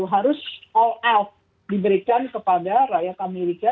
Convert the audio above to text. harus all out diberikan kepada rakyat amerika